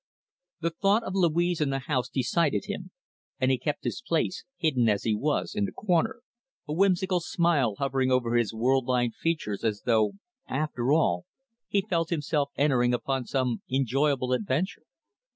The thought of Louise in the house decided him, and he kept his place, hidden as he was, in the corner a whimsical smile hovering over his world lined features as though, after all, he felt himself entering upon some enjoyable adventure.